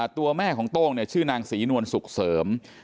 ตัวแม่ของโต้งชื่อนางศรีนวลสุขเสริม